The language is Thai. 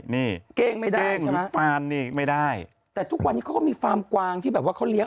นี่เก้งไม่ได้เก้งใช่ไหมฟาร์มนี่ไม่ได้แต่ทุกวันนี้เขาก็มีฟาร์มกวางที่แบบว่าเขาเลี้ย